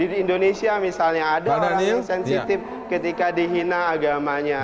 di indonesia misalnya ada orang yang sensitif ketika dihina agamanya